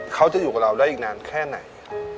เขาจะอยู่กับเราได้อีกนานแค่ไหน